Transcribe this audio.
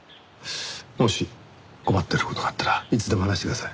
もし困ってる事があったらいつでも話してください。